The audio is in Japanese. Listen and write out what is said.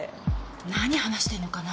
何話してんのかな？